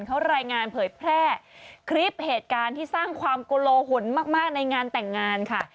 เขารายงานเผยแพร่คลิปเหตุการณ์ที่สร้างความโกโลหนมากในงานแต่งงานค่ะ